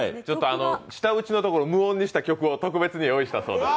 舌打ちのところを無音にした曲を特別に用意したそうです。